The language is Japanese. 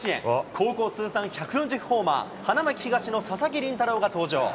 高校通算１４０ホーマー、花巻東の佐々木麟太郎が登場。